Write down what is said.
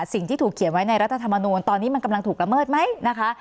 สิ่งที่ถูกเขียนไว้ในรัฐธรรมนูลตอนนี้มันกำลังถูกละเมิดไหมนะคะ